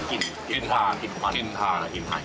กลิ่นทาดิบควันกลิ่นทาดิบควัน